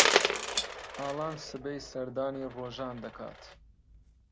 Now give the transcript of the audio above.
ئالان سبەی سەردانی ڕۆژان دەکات.